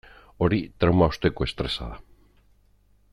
Hori trauma osteko estresa da.